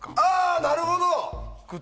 なるほど！